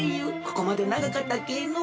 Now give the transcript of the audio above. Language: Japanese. ここまでながかったけえのう。